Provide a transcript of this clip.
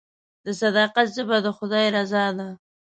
د صداقت ژبه د خدای رضا ده.